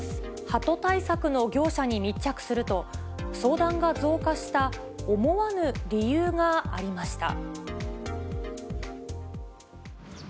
ハト対策の業者に密着すると、相談が増加した思わぬ理由がありました。